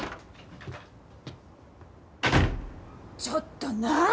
ちょっと何？